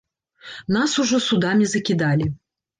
Нас ужо судамі закідалі.